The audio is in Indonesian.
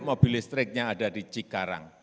mobil listriknya ada di cikarang